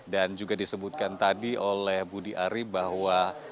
dan juga disebutkan tadi oleh budi ari bahwa